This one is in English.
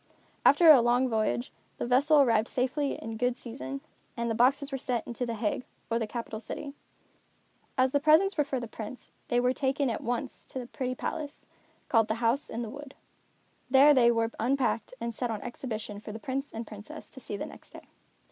After a long voyage, the vessel arrived safely in good season, and the boxes were sent on to The Hague, or capital city. As the presents were for the Prince, they were taken at once to the pretty palace, called the House in the Wood. There they were unpacked and set on exhibition for the Prince and Princess to see the next day.